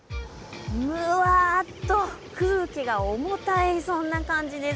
むわーっと空気が重たいそんな感じです。